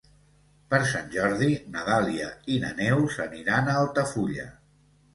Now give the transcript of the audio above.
Per Sant Jordi na Dàlia i na Neus aniran a Altafulla.